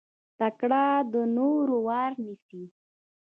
تکړه د نورو وار نيسي.